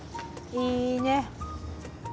いいね！